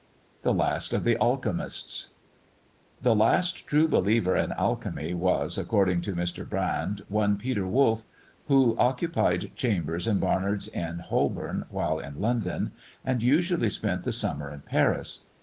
THE LAST OF THE ALCHEMISTS. The last true believer in alchemy was, according to Mr. Brande, one Peter Woulfe, who occupied chambers in Barnard's Inn, Holborn, while in London, and usually spent the summer in Paris.